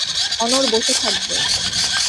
অনড় বসে থাকব।